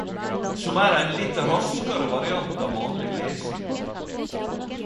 Som er ein litt raskare variant av vanleg lesing.